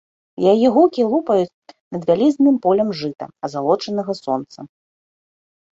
Яе гукі лупаюць над вялізным полем жыта, азалочанага сонцам.